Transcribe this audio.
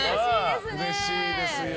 うれしいですね！